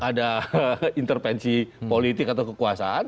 ada intervensi politik atau kekuasaan